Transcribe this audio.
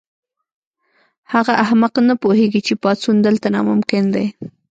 هغه احمق نه پوهیږي چې پاڅون دلته ناممکن دی